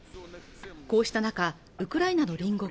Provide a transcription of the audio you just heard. こうした中ウクライナの隣国